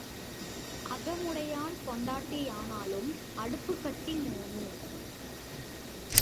அகமுடையான் பெண்டாட்டியானாலும் அடுப்புக்கட்டி மூணு.